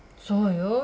そうよ。